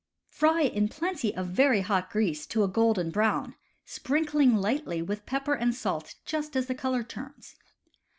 Fry in plenty of very hot grease to a golden brown, sprinkling lightly with pepper and salt just as the color turns.